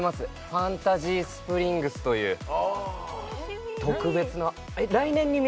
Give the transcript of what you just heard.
ファンタジースプリングスという楽しみ